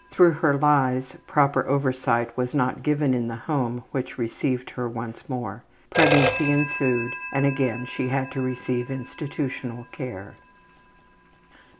Through her lies, proper oversight was not given in the home which received her once more. Pregnancy ensued and again she had to receive institutional care.